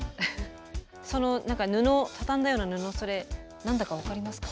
その布畳んだような布それ何だか分かりますか？